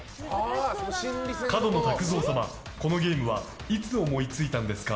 角野卓造様、このゲームはいつ思いついたんですか。